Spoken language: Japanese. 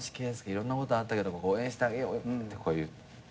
いろんなことあったけど応援してあげようって。